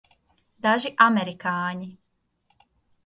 Daži amerikāņi.